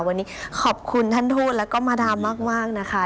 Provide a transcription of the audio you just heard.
วันนี้ขอบคุณท่านทูตแล้วก็มาดามมากนะคะ